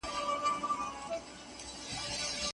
هغوی پخوا د خپلو موخو په اړه خبري کولې.